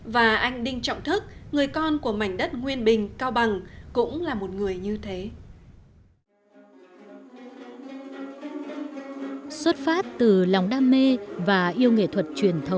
và anh đinh trọng thức người con của mảnh đất nguyên bình cao bằng cũng là một người như thế